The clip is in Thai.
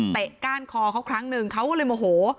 ก้านคอเขาครั้งหนึ่งเขาก็เลยโมโห